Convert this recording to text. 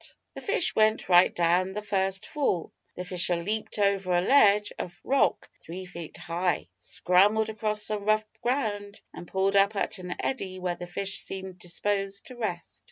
The fish went right down the first fall; the fisher leaped over a ledge of rock three feet high, scrambled across some rough ground, and pulled up at an eddy where the fish seemed disposed to rest.